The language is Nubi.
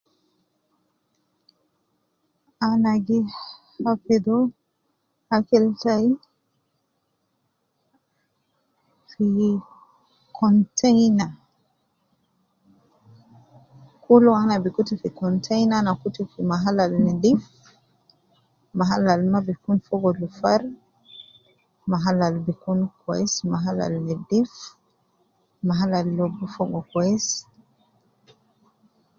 Ana gi hafidhu akil tai, fi container, kul ana bi kutu fi container ana kutu fi mahal nedif, mahal al ma bi kun fogo lufar, mahal al gi kun kwesi, mahal al nedif mahal al lobu fogo kwesi